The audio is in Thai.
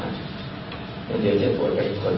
วันนี้ไว้จะป้วนกับอีกคน